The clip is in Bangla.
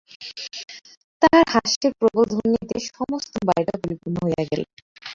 তাহার হাস্যের প্রবল ধ্বনিতে সমস্ত বাড়িটা পরিপূর্ণ হইয়া গেল।